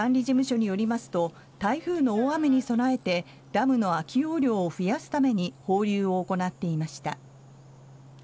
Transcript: ダムの管理事務所によりますと台風の大雨に備えてダムの空き容量を増やすために交流を行っていました。